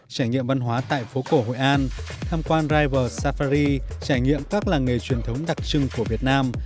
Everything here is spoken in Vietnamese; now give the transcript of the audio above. trải nghiệm văn hóa tại phố cổ hội an tham quan rival safari trải nghiệm các làng nghề truyền thống đặc trưng của việt nam